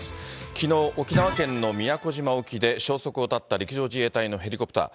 きのう、沖縄県の宮古島沖で消息を絶った陸上自衛隊のヘリコプター。